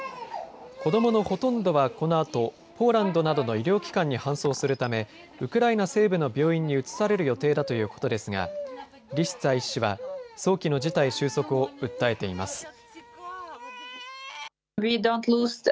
子どものほとんどはこのあとポーランドなどの医療機関に搬送するためウクライナ西部の病院に移される予定だということですがリシツァ医師は早期の事態収束を訴えています。